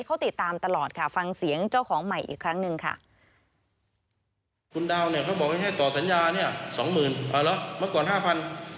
เขาติดตามตลอดค่ะฟังเสียงเจ้าของใหม่อีกครั้งหนึ่งค่ะ